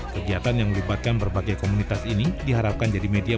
kegiatan yang melibatkan berbagai komunitas ini diharapkan jadi media